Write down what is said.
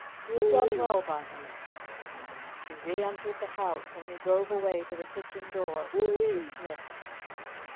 You have done well by me." She re entered the house and he drove away to the kitchen door, dismissed.